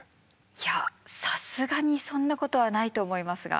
いやさすがにそんなことはないと思いますが。